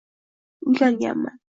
Uylanganman.